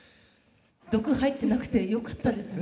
毒入ってなくてよかったですね